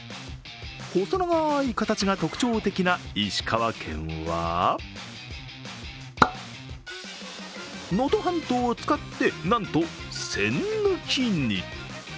細長い形が特徴的な石川県は能登半島を使ってなんと栓抜きに。